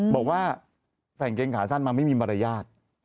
บอกว่าใส่เกงขาสั้นมาไม่มีมารยาท